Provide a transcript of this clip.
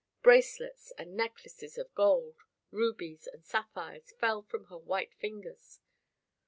Bracelets and necklaces of gold, rubies and sapphires fell from her white fingers.